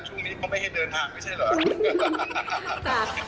ช่วงนี้เขาไม่ให้เดินทางไม่ใช่เหรอ